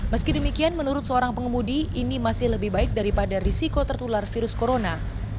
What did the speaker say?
meski demikian menurut seorang pengemudi ini masih lebih baik daripada risiko tertular virus corona